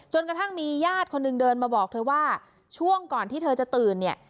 กระทั่งมีญาติคนหนึ่งเดินมาบอกเธอว่าช่วงก่อนที่เธอจะตื่นเนี่ย